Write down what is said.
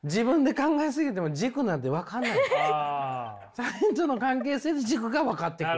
他人との関係性で軸が分かってくる。